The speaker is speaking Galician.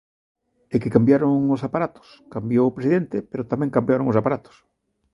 É que cambiaron os aparatos; cambiou o presidente, pero tamén cambiaron os aparatos.